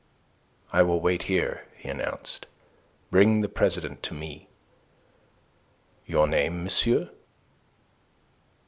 "I will wait here," he announced. "Bring the president to me." "Your name, monsieur?"